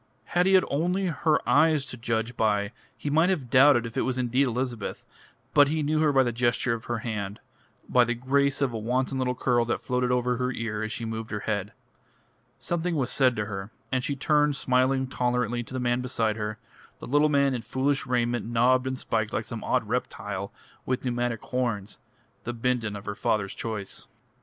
Had he had only her eyes to judge by he might have doubted if it was indeed Elizabeth, but he knew her by the gesture of her hand, by the grace of a wanton little curl that floated over her ear as she moved her head. Something was said to her, and she turned smiling tolerantly to the man beside her, a little man in foolish raiment knobbed and spiked like some odd reptile with pneumatic horns the Bindon of her father's choice.